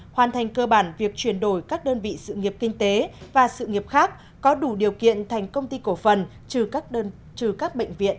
hoàn thành cơ bản việc chuyển đổi các đơn vị sự nghiệp kinh tế và sự nghiệp khác có đủ điều kiện thành công ty cổ phần trừ các bệnh viện